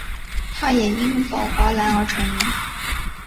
他也因宝华蓝而成名。